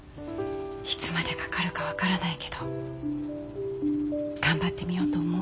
いつまでかかるか分からないけど頑張ってみようと思う。